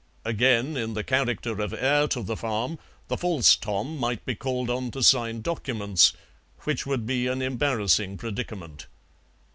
Again, in the character of heir to the farm, the false Tom might be called on to sign documents, which would be an embarrassing predicament.